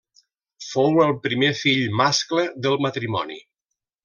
Fou el primer fill mascle del matrimoni.